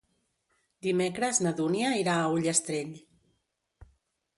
Dimecres na Dúnia irà a Ullastrell.